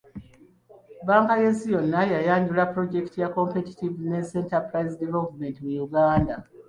Bbanka y’ensi yonna yayanjula pulojekiti ya Competitiveness Enterprise Development mu Uganda.